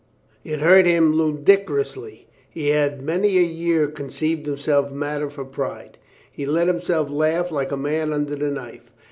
It hurt him ludicrously. He had many a year con ceived himself matter for pride. He let himself laugh like a man under the knife.